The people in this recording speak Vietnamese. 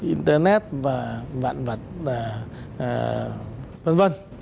internet và vạn vật v v